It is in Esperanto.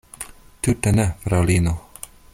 Tute ne, fraŭlino.